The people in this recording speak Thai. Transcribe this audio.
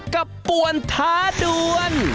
กับปวลท้าด้วน